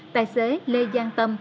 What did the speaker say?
tài xế lê giang tâm